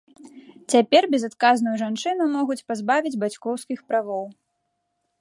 Цяпер безадказную жанчыну могуць пазбавіць бацькоўскіх правоў.